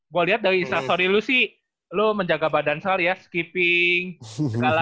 gue liat dari instastory lu sih lu menjaga badan sel ya skipping segala